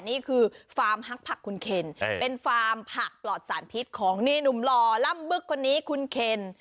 นี่คือฟาร์มฮักผักคุณเคนเป็นฟาร์มผักปลอดสารพิษของนี่หนุ่มหล่อล่ำบึกคนนี้คุณเคน